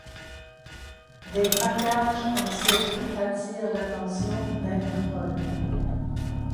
Des braquages en série attirent l'attention d'Interpol.